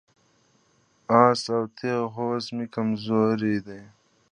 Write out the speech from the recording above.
آس او تیغ هوس مې کمزوري ده.